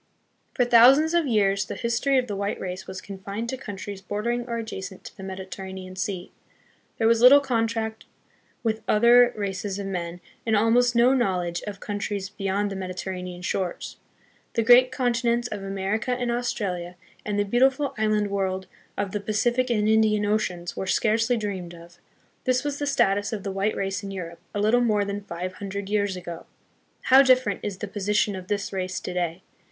For thousands of years the history of the white race was confined to countries bordering or adjacent to the Mediterranean Sea. There was little contact with other races of men and almost no knowledge of countries beyond the Mediterranean shores. The great continents of Amer ica and Australia and the beautiful island world of the Pacific and Indian oceans were scarcely dreamed of. This was the status of the white race in Europe a little more than five hundred years ago. How different is the posi tion of this race to day!